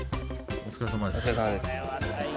お疲れさまです。